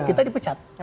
kita di pecat